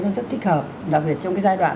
nó rất thích hợp đặc biệt trong cái giai đoạn